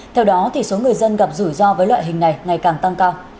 theo đó số người dân gặp rủi ro với loại hình này ngày càng tăng cao